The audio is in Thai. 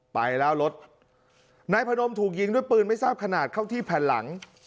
ไปแล้วรถนายพนมถูกยิงด้วยปืนไม่ทราบขนาดเข้าที่แผ่นหลัง